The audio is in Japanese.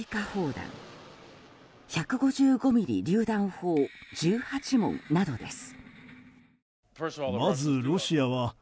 弾１５５ミリりゅう弾砲１８門などです。